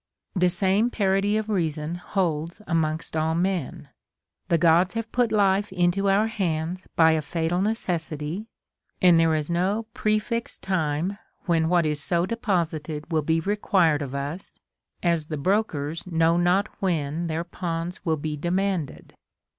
The same parity of reason holds amongst all men. The Gods have put life into our hands by a fatal * Eurip. Phoeniss. 555. 328 CONSOLATION TO APOLLONIUS. necessity, and there is no prefixed time when what is so deposited will be required of us, as the brokers know not when their pa\vns will be demanded.